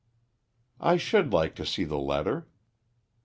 "I should like to see the letter."